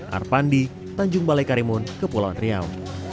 arpandi tanjung balai karimun kepulauan riau